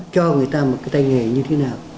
cho người ta một cái tay nghề như thế nào